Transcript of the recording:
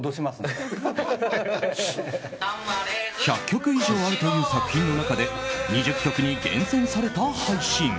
１００曲以上あるという作品の中で２０曲に厳選された配信。